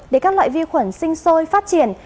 để các loại vi khuẩn sinh sôi phát triển